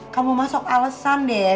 kamu masuk alesan deh